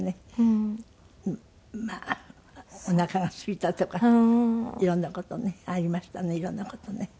まあおなかがすいたとか色んな事ねありましたね色んな事ね。